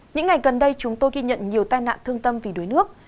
những ngày gần đây chúng tôi ghi nhận nhiều tai nạn thương tâm vì đuối nước